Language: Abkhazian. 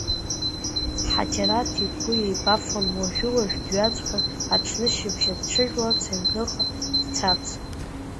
Ҳаџьараҭ игәы еибафон, уажәы-уажәы дҩаҵҟьон аҽнышьыбжьон дҽыжәларц, аҩныҟа дцарц.